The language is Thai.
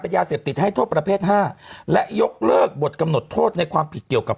ยาเสพติดให้โทษประเภทห้าและยกเลิกบทกำหนดโทษในความผิดเกี่ยวกับ